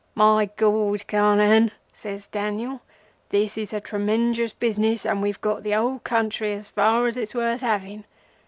'My Gord, Carnehan,' says Daniel, 'this is a tremenjus business, and we've got the whole country as far as it's worth having.